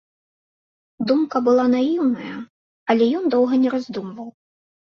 Думка была наіўная, але ён доўга не раздумваў.